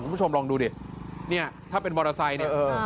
คุณผู้ชมลองดูสิถ้าเป็นมอเตอร์ไซต์